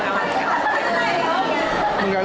cuman kalau misalnya dari setiap masing masing orang